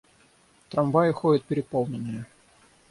Трамваи ходят переполненные.